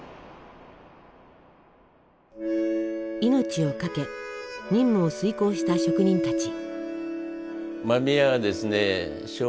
命を懸け任務を遂行した職人たち。